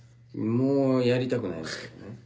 もうやりたくないですけどね。